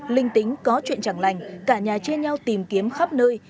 linh tính có chuyện chẳng lành cả nhà chia nhau tìm kiếm khắp nơi